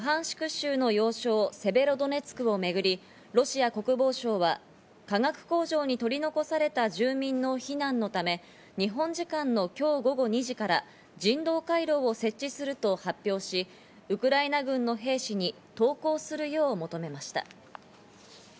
州の要衝セベロドネツクをめぐり、ロシア国防省は化学工場に取り残された住民の避難のため、日本時間、今日午後２時から人道回廊を設置すると発表し、ウクライナ軍の兵士に投降するよう求めました。